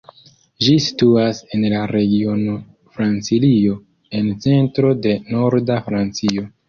Ĝi situas en la regiono Francilio en centro de norda Francio.